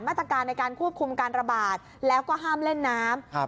มาตรการในการควบคุมการระบาดแล้วก็ห้ามเล่นน้ำครับ